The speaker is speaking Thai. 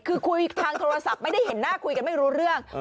คือคุยทางโทรศัพท์ไม่ได้เห็นหน้าคุยกันไม่รู้เรื่อง